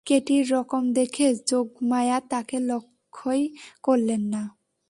কেটির রকম দেখে যোগমায়া তাকে লক্ষ্যই করলেন না।